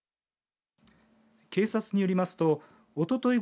警察によりますとおととい